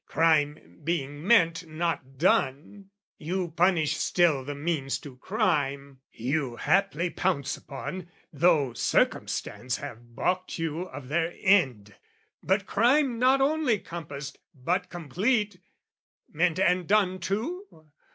Crime being meant not done, you punish still The means to crime, you haply pounce upon, Though circumstance have baulked you of their end: But crime not only compassed but complete, Meant and done too?